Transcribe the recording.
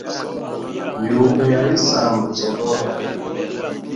Yuba lya isamba nzogolo.